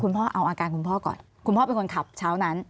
พ่อเอาอาการคุณพ่อก่อนคุณพ่อเป็นคนขับเช้านั้น